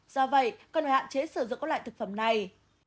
do vậy cần hạn chế sử dụng các loại thực phẩm này